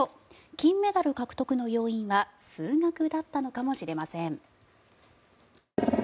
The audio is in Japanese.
金メダル獲得の要因は数学だったのかもしれません。